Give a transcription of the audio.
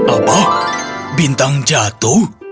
apa bintang jatuh